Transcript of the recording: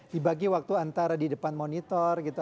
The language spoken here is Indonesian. dibagi waktu antara di depan monitor gitu